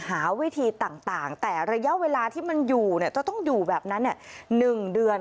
หาวิธีต่างแต่ระยะเวลาที่มันอยู่จะต้องอยู่แบบนั้น๑เดือน